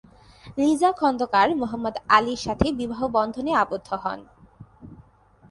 লিজা খোন্দকার মোহাম্মদ আলীর সাথে বিবাহ বন্ধনে আবদ্ধ হন।